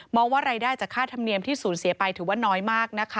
ว่ารายได้จากค่าธรรมเนียมที่สูญเสียไปถือว่าน้อยมากนะคะ